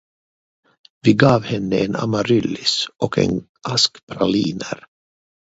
Vi gav henne en amaryllis och en ask praliner.